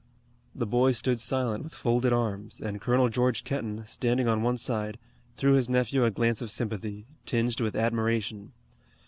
The boy stood silent with folded arms, and Colonel George Kenton, standing on one side, threw his nephew a glance of sympathy, tinged with admiration.